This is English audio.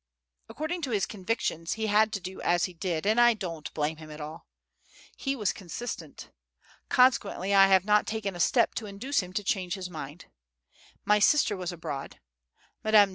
According to his convictions he had to do as he did, and I don't blame him at all. He was consistent. Consequently, I have not taken a step to induce him to change his mind. My sister was abroad. Madame D.